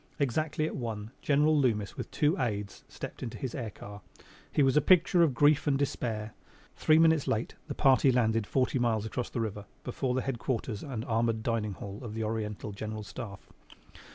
Exactly at one General Loomis with two aides stepped into his air car. He was a picture of grief and despair. Three minutes late the party landed forty miles across the river before the headquarters and armored dining hall of the Oriental General Staff.